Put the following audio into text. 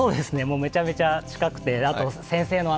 めちゃめちゃ近くて、先生の